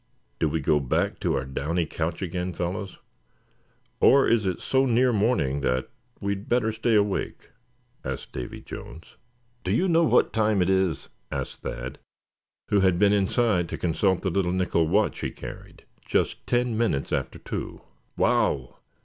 "Do we go back to our downy couch again, fellows; or is it so near morning that we'd better stay awake?" asked Davy Jones. "Do you know what time it is?" asked Thad, who had been inside to consult the little nickel watch he carried: "just ten minutes after two!" "Wow!